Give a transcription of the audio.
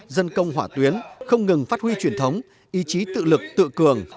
dân công hỏa tuyến không ngừng phát huy truyền thống ý chí tự lực tự cường